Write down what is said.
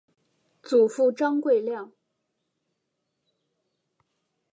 祖父张贵谅。